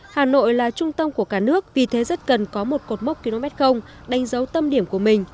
hà nội là trung tâm của cả nước vì thế rất cần có một cột mốc km đánh dấu tâm điểm của mình